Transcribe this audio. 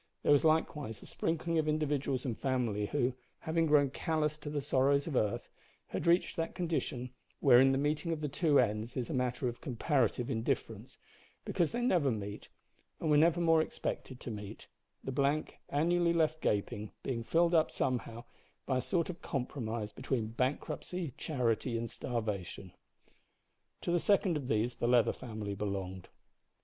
There was likewise a sprinkling of individuals and families who, having grown callous to the sorrows of earth, had reached that condition wherein the meeting of the two ends is a matter of comparative indifference, because they never met, and were never more expected to meet the blank, annually left gaping, being filled up, somehow, by a sort of compromise between bankruptcy, charity, and starvation. To the second of these the Leather family belonged.